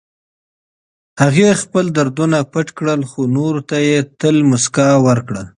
هغې خپل دردونه پټ کړل، خو نورو ته يې تل مسکا ورکړه.